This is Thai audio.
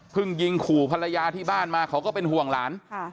ยิงขู่ภรรยาที่บ้านมาเขาก็เป็นห่วงหลาน